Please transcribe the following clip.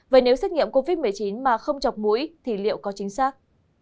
vậy nếu xét nghiệm covid một mươi chín mà không chọc mũi thì liệu có chính xác